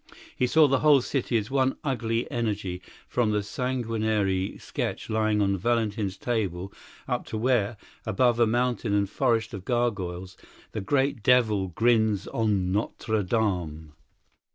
He saw the whole city as one ugly energy, from the sanguinary sketch lying on Valentin's table up to where, above a mountain and forest of gargoyles, the great devil grins on Notre Dame.